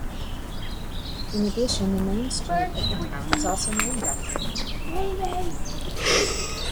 In addition, the main street of the town is also named after him.